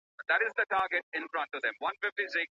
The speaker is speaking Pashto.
د ديت په توګه بايد انسان ونه ټاکل سي.